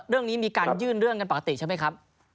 เรื่องนี้มีการยื่นเรื่องกันปกติใช่ไหมครับ